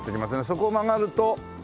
そこを曲がると。